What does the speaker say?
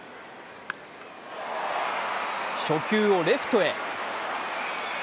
初球はレフトへ。